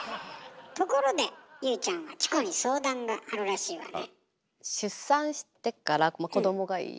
ところで優ちゃんはチコに相談があるらしいわね。